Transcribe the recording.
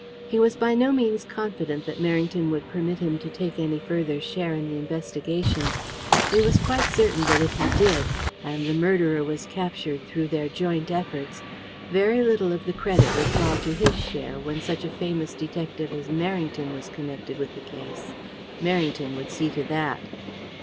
He was by no means confident that Merrington would permit him to take any further share in the investigations, but he was quite certain that if he did, and the murderer was captured through their joint efforts, very little of the credit would fall to his share when such a famous detective as Merrington was connected with the case. Merrington would see to that.